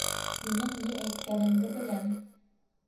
Һинең ни әйткәнеңде беләм.